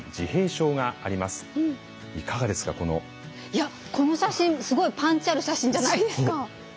いやこの写真すごいパンチある写真じゃないですかねえ。